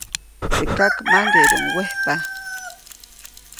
Teʼ kak maŋgeʼduʼuŋ wejpa.